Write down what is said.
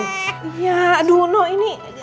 iya aduh no ini